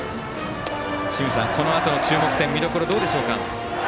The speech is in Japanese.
このあとの注目点、見どころどうでしょうか？